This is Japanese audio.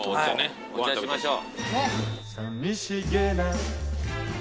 お茶しましょう。